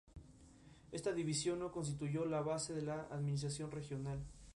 Las flores masculinas son más largas y finas.